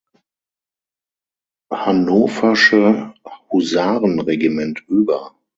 Hannoversche Husarenregiment über.